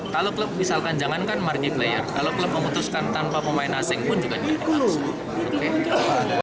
kalau klub misalkan jangankan marki player kalau klub memutuskan tanpa pemain asing pun juga tidak harus